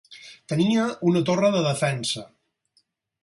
Tenia una torre de defensa.